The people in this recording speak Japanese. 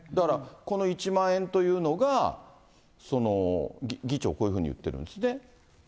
この１万円というのが、議長、こういうふうに言ってるんですね。